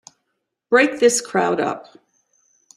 Break this crowd up!